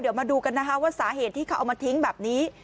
เดี๋ยวมาดูกันนะคะว่าสาเหตุที่เขาเอามาทิ้งแบบนี้